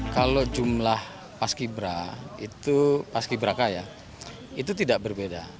kalau jumlah paskibra itu paskibra kaya itu tidak berbeda